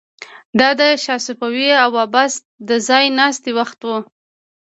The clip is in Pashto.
دا د شاه صفوي او عباس د ځای ناستي وخت و.